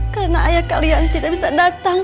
karena ayah kalian tidak bisa datang